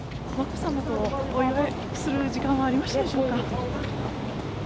眞子さんとお祝いする時間はありましたでしょうか。